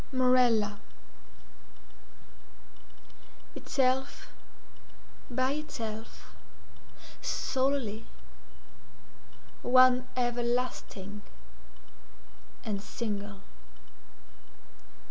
MORELLA Itself, by itself, solely, one everlasting, and single.